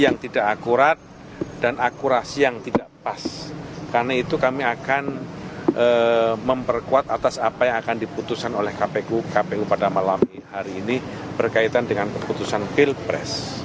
kami dari pasangan kami kami berpikir kita harus berpikir